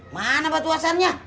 mana batu asarnya